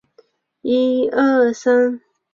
不漏水较理想。